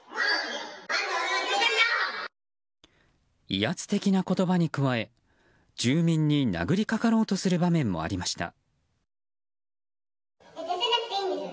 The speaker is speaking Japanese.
威圧的な言葉に加え住民に殴りかかろうとする場面もありました。